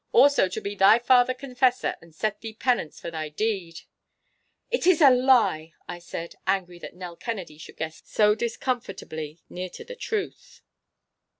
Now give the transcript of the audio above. Also to be thy father confessor and set thee penance for thy deed!' 'It is a lie!' I said, angry that Nell Kennedy should guess so discomfortably near to the truth.